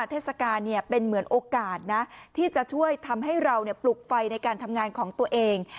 เทศกาลเป็นเหมือนโอกาสนะที่จะช่วยทำให้เราปลุกไฟในการทำงานของตัวเอง